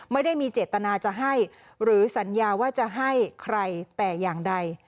ไม่ได้มีเจตนาจะให้หรือสัญญาว่าจะให้ใครแต่อย่างใด